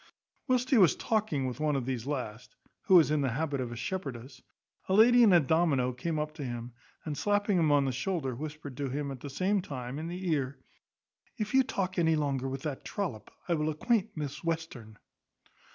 Whilst he was talking with one of these last (who was in the habit of a shepherdess) a lady in a domino came up to him, and slapping him on the shoulder, whispered him, at the same time, in the ear, "If you talk any longer with that trollop, I will acquaint Miss Western."